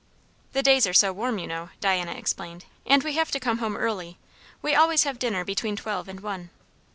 "The days are so warm, you know," Diana explained; "and we have to come home early. We always have dinner between twelve and one."